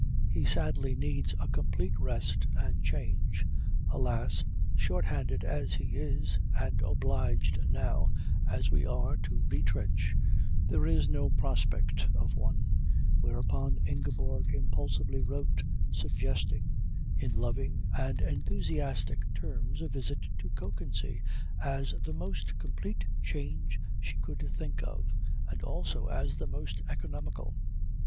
He sadly needs a complete rest and change. Alas, shorthanded as he is and obliged now as we are to retrench, there is no prospect of one_." Whereupon Ingeborg impulsively wrote suggesting in loving and enthusiastic terms a visit to Kökensee as the most complete change she could think of, and also as the most economical.